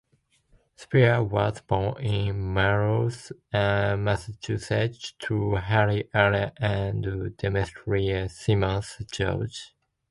Speare was born in Melrose, Massachusetts to Harry Allan and Demetria Simmons George.